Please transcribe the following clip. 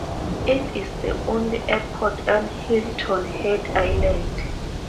It is the only airport on Hilton Head Island.